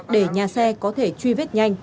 để nhà xe có thể truy vết nhanh